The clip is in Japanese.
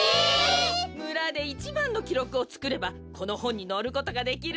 むらでいちばんのきろくをつくればこのほんにのることができるんです。